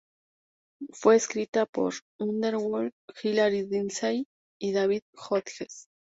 Fue escrita por Underwood, Hillary Lindsey y David Hodges.